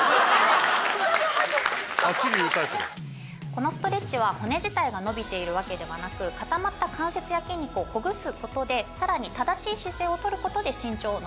「このストレッチは骨自体が伸びているわけではなく固まった関節や筋肉をほぐす事で更に正しい姿勢をとる事で身長を伸ばしています」